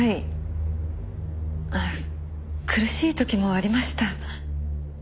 苦しい時もありました。